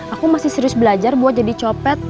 aku masih serius belajar buat jadi copet